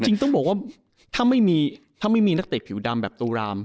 จริงต้องบอกว่าถ้าไม่มีนักเจ็กผิวดำแบบตุราม